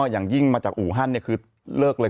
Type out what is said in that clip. อย่างยิ่งมาจากอู่ฮั่นคือเลิกเลย